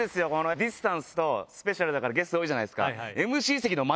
ディスタンスとスペシャルだからゲスト多いじゃないですか。